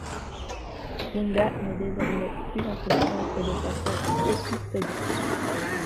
Wouda n'est désormais plus en fonction que de façon épisodique.